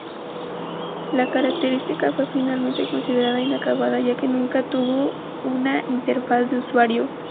La característica fue finalmente considerada "inacabada", ya que nunca tuvo una interfaz de usuario.